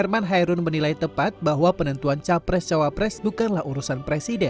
namun saya juga mengingatkan bahwa penentuan capres cawapres bukanlah urusan presiden